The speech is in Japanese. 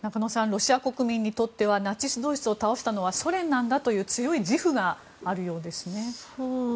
ロシア国民にとってはナチスドイツを倒したのはソ連なんだという強い自負があるようですね。